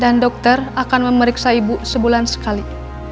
dan dokter akan memeriksa ibu sebulan sekali